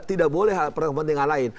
tidak boleh penting hal lain